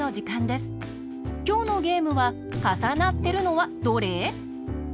きょうのゲームは「かさなってるのはどれ？」。